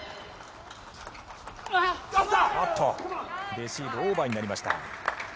レシーブオーバーになりました。